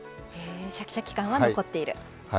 シャキシャキ感は残っている。